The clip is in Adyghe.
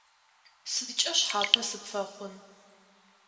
Сыдкӏэ шъхьапэ сыпфэхъун?